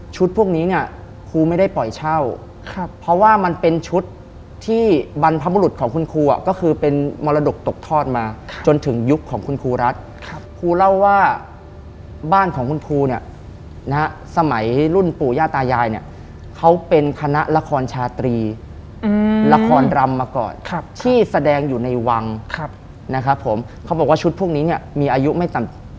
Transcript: พวกนี้เนี่ยครูไม่ได้ปล่อยเช่าครับเพราะว่ามันเป็นชุดที่บรรพบุรุษของคุณครูก็คือเป็นมรดกตกทอดมาจนถึงยุคของคุณครูรัฐครับครูเล่าว่าบ้านของคุณครูเนี่ยนะฮะสมัยรุ่นปู่ย่าตายายเนี่ยเขาเป็นคณะละครชาตรีละครรำมาก่อนที่แสดงอยู่ในวังนะครับผมเขาบอกว่าชุดพวกนี้เนี่ยมีอายุไม่ต่ำ